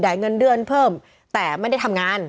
เงินเดือนเพิ่มแต่ไม่ได้ทำงาน